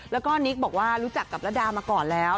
แล้วก็นิกบอกว่ารู้จักกับระดามาก่อนแล้ว